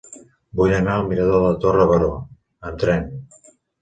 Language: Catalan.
Vull anar al mirador de Torre Baró amb tren.